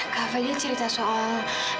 kak fadil cerita soal